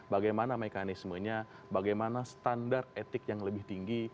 bagaimana mekanismenya bagaimana standar etik yang lebih tinggi